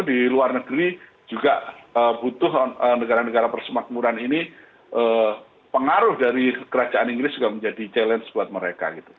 di luar negeri juga butuh negara negara persemakmuran ini pengaruh dari kerajaan inggris juga menjadi challenge buat mereka gitu